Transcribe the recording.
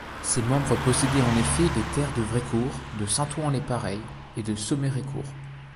Ses membres possédaient en effet les terres de Vrécourt, de Saint-Ouen-lès-Parey et de Sommerécourt.